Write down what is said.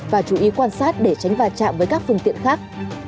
và chú ý quan sát để tránh va chạm với các phương tiện khác